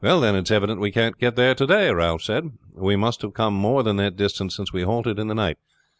"Then it's evident we can't get there to day," Ralph said. "We must have come more than that distance since we halted in the night.